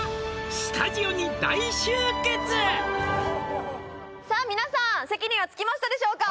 「スタジオに大集結」さあ皆さん席には着きましたでしょうか